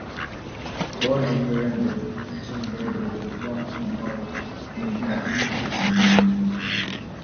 Born in Nuremberg, Enzensberger was one of the more enigmatic figures in German letters.